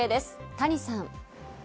谷さん。